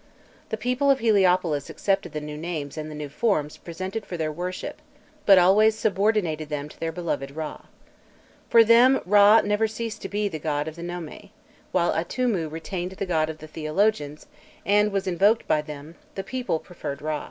The people of Heliopolis accepted the new names and the new forms presented for their worship, but always subordinated them to their beloved Râ. For them Râ never ceased to be the god of the nome; while Atûmû remained the god of the theologians, and was invoked by them, the people preferred Râ.